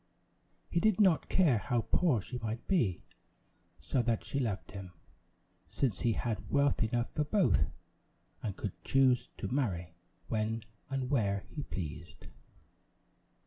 He did not care how poor she might be, so that she loved him; since he had wealth enough for both, and could choose to marry when and where he pleased.